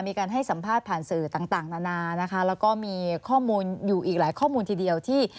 มีการให้สัมภาษณ์ผ่านสื่อต่างนานานะคะแล้วก็มีข้อมูลอยู่อีกหลายข้อมูลทีเดียวที่